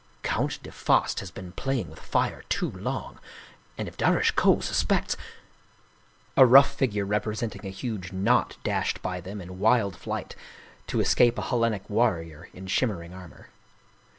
Count de Faast has been playing with fire too long, and if Darasche Koh suspects " A rough figure representing a huge knot dashed by them in wild flight to escape a Hellenic warrior in shimmering armor.